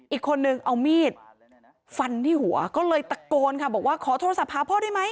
อีกคนนึงเอามีดฟันที่หัวก็เลยตะโกนค่ะบอกว่าขอโทรศัพท์หาพ่อได้ไหม